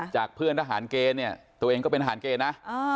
จากเพื่อนอาหารเกเนี่ยตัวเองก็เป็นอาหารเกนะ